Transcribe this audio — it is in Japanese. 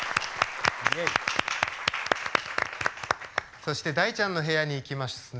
そして大ちゃんの部屋にいきますね。